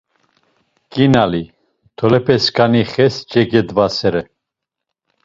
Ǩinali, tolepeskani xes cegadvasere.